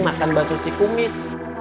makan bakso di paku mis